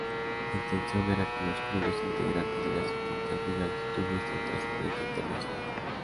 La intención era que los clubes integrantes de las distintas ligas tuviesen trascendencia internacional.